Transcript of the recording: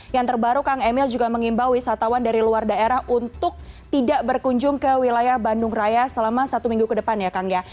yang terbaru kang emil juga mengimbau wisatawan dari luar daerah untuk tidak berkunjung ke wilayah bandung raya selama satu minggu ke depan ya kang ya